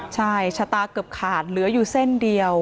ใช่ชะตาเกือบขาดเหลืออยู่เส้นเดียว